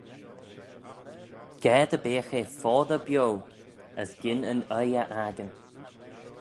Ga dy beagh eh foddey bio: as gyn yn oaie y akin.